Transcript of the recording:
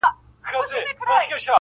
سړي و ویل قاضي ته زما بادار یې,